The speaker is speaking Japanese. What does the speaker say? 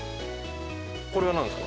これはなんですか。